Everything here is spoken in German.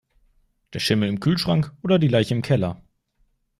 Der Schimmel im Kühlschrank oder die Leiche im Keller.